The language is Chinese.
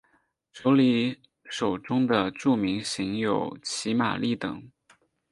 首里手中的著名型有骑马立等。